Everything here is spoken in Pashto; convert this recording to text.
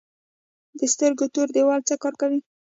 د سترګو تور دیوال څه کار کوي؟